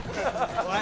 おい！